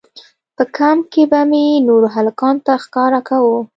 په کمپ کښې به مې نورو هلکانو ته ښکاره کاوه.